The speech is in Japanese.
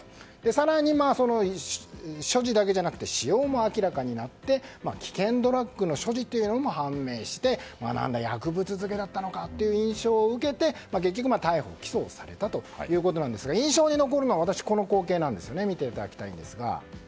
更に、所持だけじゃなくて使用も明らかになって危険ドラッグの所持というのも判明してなんだ、薬物漬けだったのかという印象を受けて結局、逮捕・起訴されたということですが印象に残るのは私、この光景なんです。